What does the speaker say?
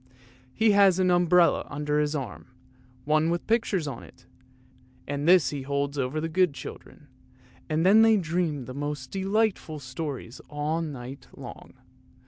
He has an umbrella under his arm, one with pictures on it, and this he holds over the good children, and then they dream the most delightful stories all night long.